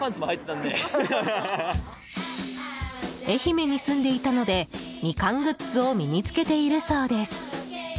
愛媛に住んでいたのでミカングッズを身につけているそうです。